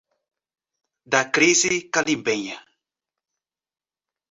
da crise caribenha